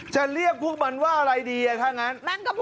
จะเรียกพวกมันว่าอะไรดีถ้างั้น